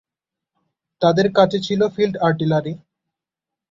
তাদের কাছে ছিল ফিল্ড আর্টিলারি।